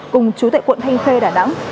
cùng chú tệ quận thanh khê đà nẵng